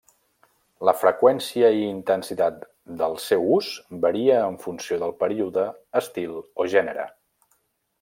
La freqüència i intensitat del seu ús varia en funció del període, estil o gènere.